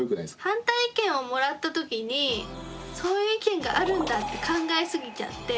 反対意見をもらった時にそういう意見があるんだって考えすぎちゃって